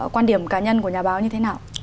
quan điểm cá nhân của nhà báo như thế nào